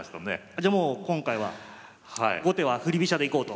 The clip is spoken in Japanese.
じゃもう今回は後手は振り飛車でいこうと。